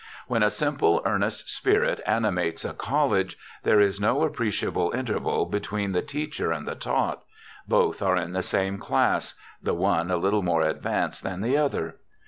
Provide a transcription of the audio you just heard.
When a simple, earnest spirit animates a college, there is no appreciable interval between the teacher and the taught both are in the same class, the one a little more advanced than the other.